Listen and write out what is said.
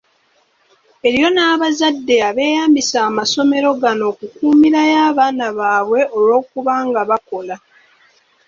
Eriyo n’abazadde abeeyambisa amasomero gano okukuumirayo abaana baabwe olw’okuba nga bakola.